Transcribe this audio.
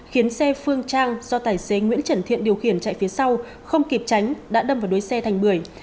khiến xe phương trang do tài xế nguyễn trần thiện điều khiển chạy phía sau không kịp tránh đã đâm vào đuối xe thành bưởi